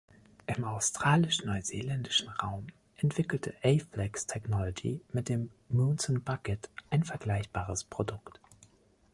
Im australisch-neuseeländischen Raum entwickelte A-Flex Technology mit dem "Monsoon Bucket" ein vergleichbares Produkt.